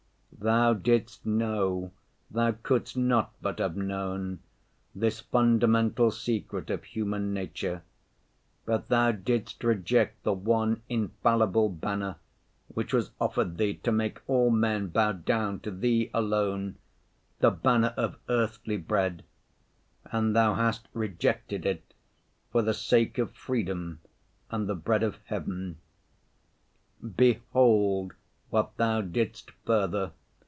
Thou didst know, Thou couldst not but have known, this fundamental secret of human nature, but Thou didst reject the one infallible banner which was offered Thee to make all men bow down to Thee alone—the banner of earthly bread; and Thou hast rejected it for the sake of freedom and the bread of Heaven. Behold what Thou didst further.